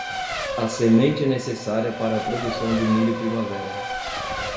A semente é necessária para a produção de milho primavera.